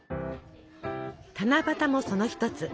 七夕もその一つ。